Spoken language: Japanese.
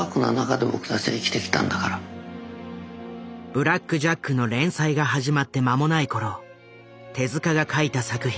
「ブラック・ジャック」の連載が始まって間もない頃手が書いた作品。